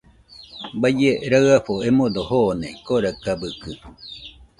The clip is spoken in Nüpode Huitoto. Baiemo raɨafo emodo joone Koraɨkabɨkɨ